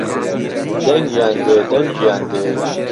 دەنگیان دێ دەنگیان دێ